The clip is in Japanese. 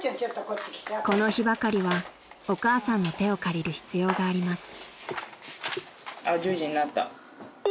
［この日ばかりはお母さんの手を借りる必要があります］